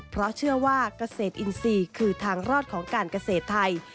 เพราะเชื่อว่าเกษตรอินทรีย์คือทางรอดของการเกษตรไทย